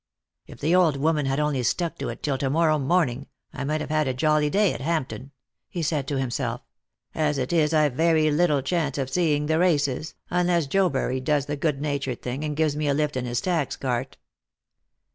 " If the old woman had only stuck to it till to morrow morn ing, I might have had a jolly day at Hampton," he said to himself; " as it is I've very little chance of seeing the races, unless Jobury does the good natured thing, and gives me a lift in his tax cart."